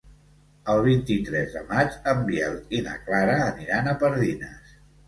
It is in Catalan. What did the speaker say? El vint-i-tres de maig en Biel i na Clara aniran a Pardines.